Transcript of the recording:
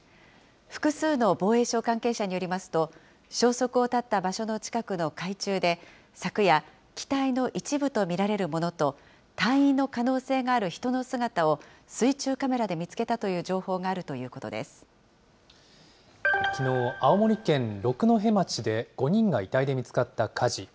複数の防衛省関係者によりますと、消息を絶った場所の近くの海中で昨夜、機体の一部と見られるものと、隊員の可能性がある人の姿を水中カメラで見つけたという情報きのう、青森県六戸町で５人が遺体で見つかった火事。